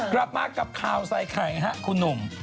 กลับมากับข่าวใส่ไข่ครับคุณหนุ่ม